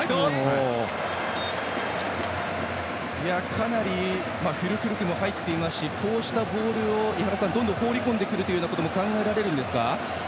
かなりフュルクルクも入っているしこうしたボールをどんどん放り込んでくることも考えられるんですか。